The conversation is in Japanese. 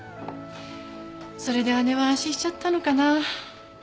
それで姉は安心しちゃったのかな？